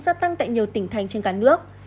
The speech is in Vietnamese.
gia tăng tại nhiều tỉnh thành trên cả nước